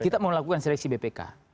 kita mau lakukan seleksi bpk